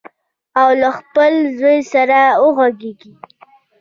او له خپل زوی سره وغږیږي.